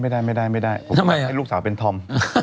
ไม่ได้ลูกสาวเป็นธอม